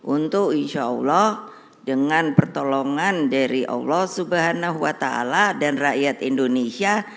untuk insya allah dengan pertolongan dari allah swt dan rakyat indonesia